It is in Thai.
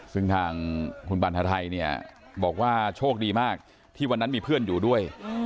ซึ่งทางคุณบรรทไทยเนี่ยบอกว่าโชคดีมากที่วันนั้นมีเพื่อนอยู่ด้วย